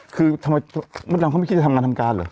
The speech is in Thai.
คือทำไมมดดำเขาไม่คิดจะทำงานทำการเหรอ